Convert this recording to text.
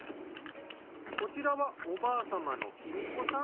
こちらはおばあ様のきみ子さん。